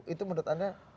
itu menurut anda